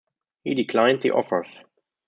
He declined the offers.